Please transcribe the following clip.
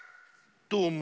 どうも。